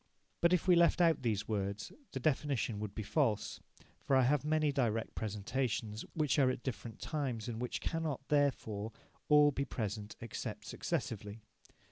But if we left out these words, the definition would be false, for I have many direct presentations which are at different times, and which cannot, therefore, all be present, except successively.